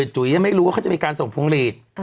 จุ๋ยยังไม่รู้ว่าเขาจะมีการส่งพวงหลีด